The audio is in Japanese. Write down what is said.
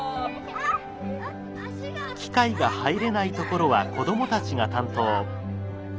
機械が入れないところは子どもたちが担当。